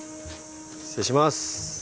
失礼します。